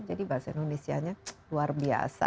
jadi bahasa indonesianya luar biasa